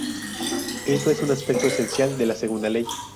Esto es un aspecto esencial de la segunda ley.